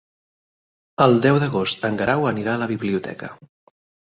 El deu d'agost en Guerau anirà a la biblioteca.